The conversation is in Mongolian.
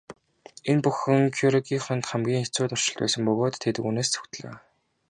Энэ бүхэн Кюрегийнхэнд хамгийн хэцүү туршилт байсан бөгөөд тэд үүнээс зугтлаа.